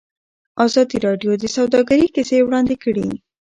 ازادي راډیو د سوداګري کیسې وړاندې کړي.